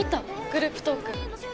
グループトーク。